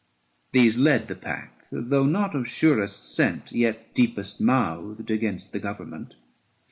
These led the pack ; though not of surest scent, Yet deepest mouthed against the government.